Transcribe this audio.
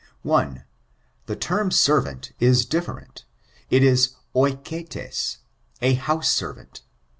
1. The term servant, is different; it is, aiketes, a house servant.